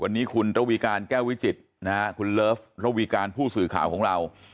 วันนี้คุณระวีการแก้ววิจิตรนะฮะคุณเลิฟระวีการผู้สื่อข่าวของเรา